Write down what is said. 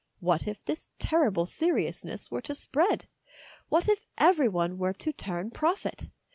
What if this terrible seriousness were to spread? What if every one were to turn prophet?